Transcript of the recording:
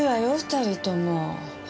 ２人とも。